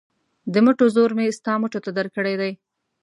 د مټو زور مې ستا مټو ته درکړی دی.